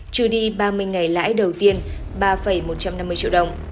trừ đi ba mươi ngày lãi đầu tiên ba một trăm năm mươi triệu đồng